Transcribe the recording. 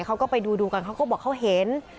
เขาก็ไปดูกันก็เห็น